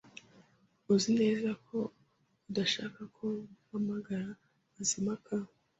Uzi neza ko udashaka ko mpamagara Mazimpaka?